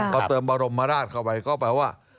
พอเติมบรมราชเข้าไปก็แปลว่า